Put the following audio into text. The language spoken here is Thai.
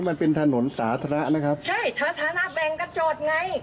มันเป็นถนนสาธารณะนะครับใช่สาธารณะแบ่งกันจอดไง